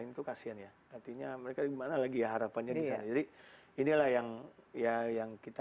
itu kasihan ya artinya mereka gimana lagi ya harapannya bisa jadi inilah yang ya yang kita